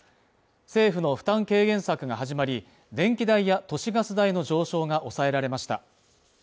政府の負担軽減策が始まり電気代や都市ガス代の上昇が抑えられました。